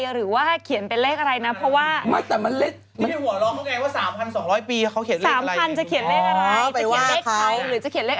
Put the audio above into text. หรือจะเขียนเลขอันดรมบิท